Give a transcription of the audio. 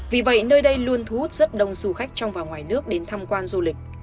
vì vậy nơi đây luôn thu hút rất đông du khách trong và ngoài nước đến tham quan du lịch